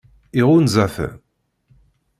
Iɣunza-ten?